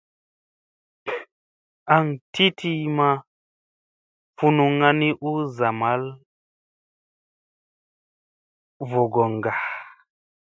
Aŋ ti ti ma funuŋŋa ni u zamalla vogoŋga.